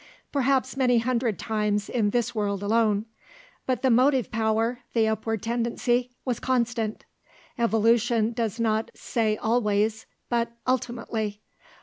Perhaps many hundred times in this world alone. But the motive power, the upward tendency, was constant. Evolution does not say 'always,' but 'ultimately.'